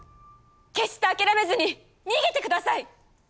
決して諦めずに逃げてください！